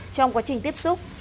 trong quá trình tiếp xúc